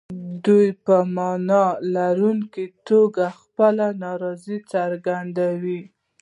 دوی په معنا لرونکي توګه خپله نارضايي څرګندوي.